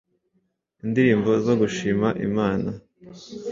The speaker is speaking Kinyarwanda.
Indirimbo zo gushima imana